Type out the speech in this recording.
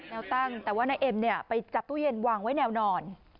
ตั้งแต่ว่านายเอ็มเนี่ยไปจับตู้เย็นวางไว้แนวนอน